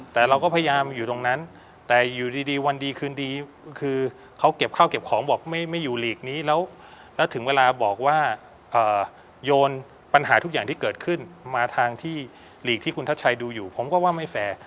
แต่เราก็พยายามอยู่ตรงนั้นแต่อยู่ดีวันดีคืนดีคือเขาเก็บข้าวเก็บของบอกไม่อยู่หลีกนี้แล้วถึงเวลาบอกว่าโยนปัญหาทุกอย่างที่เกิดขึ้นมาทางที่หลีกที่คุณทัชชัยดูอยู่ผมก็ว่าไม่แฟร์